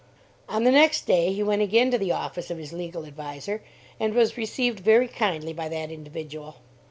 On the next day, he went again to the office of his legal adviser, and was received very kindly by that individual.